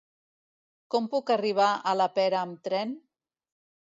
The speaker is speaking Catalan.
Com puc arribar a la Pera amb tren?